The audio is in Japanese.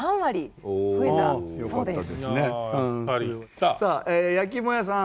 さあ焼きいも屋さん